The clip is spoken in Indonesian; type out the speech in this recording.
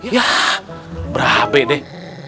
ya berabe deh